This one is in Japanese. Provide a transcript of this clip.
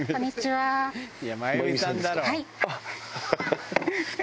はい。